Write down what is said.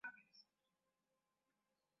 tuna maziwa tuna misitu tuna milima